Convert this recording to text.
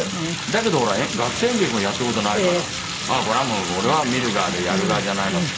だけどほら学生演劇もやった事ないからああーこれはもう俺は見る側でやる側じゃないなと。